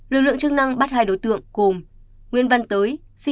lực lượng chức năng bắt hai đối tượng gồm nguyễn văn tới